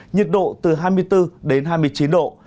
nhiệt độ từ hai mươi bốn đến hai mươi chín độ